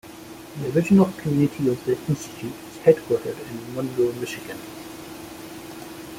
The original community of the institute is headquartered in Monroe, Michigan.